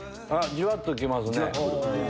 じわっと来ますね。